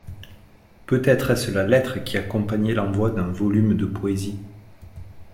Peut-être est-ce la lettre qui accompagnait l'envoi d'un volume de poésie.